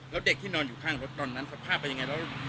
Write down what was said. แล้วเด็กที่นอนอยู่ข้างรถตอนนั้นสภาพเป็นยังไงแล้ว